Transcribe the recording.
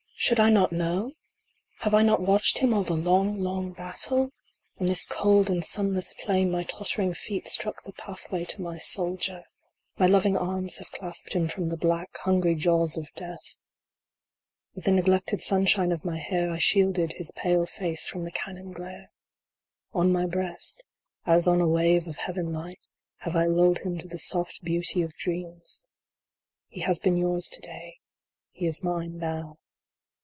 Should I not know ? Have I not watched him all the long, long battle ? On this cold and sunless plain my tottering feet struck the pathway to my soldier My loving arms have clasped him from the black, hungry jaws of Death. With the neglected sunshine of my hair I shielded his pale face from the cannon glare. On my breast, as on a wave of heaven light, have I lulled him to the soft beauty of dreams. He has been yours to day ; he is mine now.